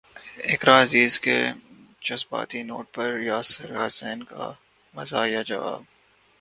اقرا عزیز کے جذباتی نوٹ پر یاسر حسین کا مزاحیہ جواب